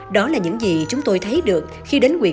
đó là những gì chúng tôi thấy được khi đến nguyện